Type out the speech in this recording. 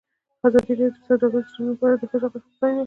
ازادي راډیو د سوداګریز تړونونه په اړه د ښځو غږ ته ځای ورکړی.